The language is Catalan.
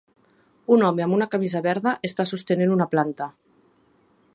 Un home amb una camisa verda està sostenen una planta.